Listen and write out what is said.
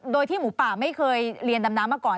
โดยที่หมูป่าไม่เคยเรียนดำน้ำมาก่อน